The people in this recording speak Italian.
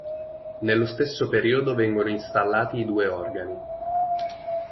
Nello stesso periodo vengono installati i due organi.